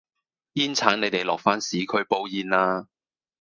煙剷你哋落返市區煲煙啦